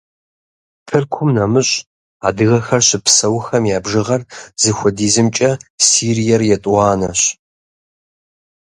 Тыркум нэмыщӀ адыгэхэр щыпсэухэм я бжыгъэр зыхуэдизымкӀэ Сириер етӀуанэщ.